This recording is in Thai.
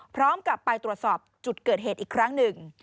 พร้อมกับไปตรวจสอบจุดเกิดเหตุอีกครั้งหนึ่ง